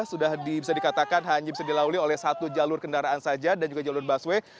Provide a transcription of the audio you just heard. sudah bisa dikatakan hanya bisa dilalui oleh satu jalur kendaraan saja dan juga jalur busway